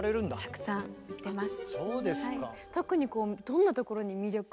たくさん行ってます。